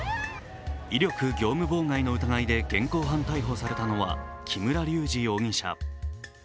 威力業務妨害の疑いで現行犯逮捕されたのは木村隆二容疑者。